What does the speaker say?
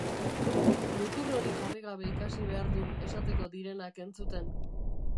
Mutur hori jarri gabe ikasi behar dun esateko direnak entzuten.